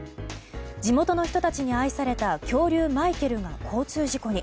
地元の人たちに愛された恐竜マイケルが交通事故に。